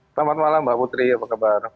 selamat malam mbak putri apa kabar